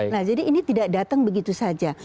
nah jadi ini tidak datang begitu saja